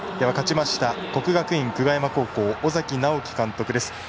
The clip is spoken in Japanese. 勝ちました、国学院久我山高校尾崎直輝監督です。